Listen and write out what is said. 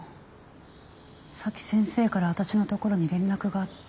さっき先生から私のところに連絡があって。